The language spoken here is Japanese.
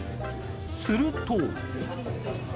すると。